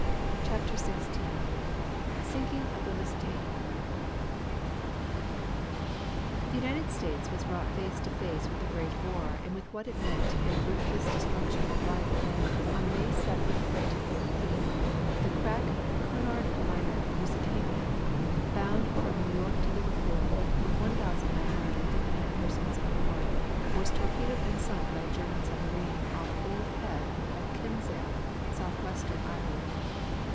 CHAPTER XVI SINKING OF THE LUSITANIA The United States was brought face to face with the Great War and with what it meant in ruthless destruction of life when, on May 7, 1915, the crack Cunard Liner Lusitania, bound from New York to Liverpool, with 1,959 persons aboard, was torpedoed and sunk by a German submarine off Old Head of Kinsale, Southwestern Ireland.